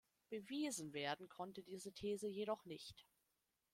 Bewiesen werden konnte diese These jedoch nicht.